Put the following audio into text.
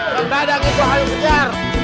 kang gadang itu hal yang siar